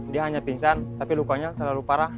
dia hanya pingsan tapi lukanya terlalu parah